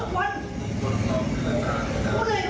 สวัสดีครับคุณผู้ชาย